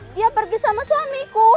dia pergi sama suamiku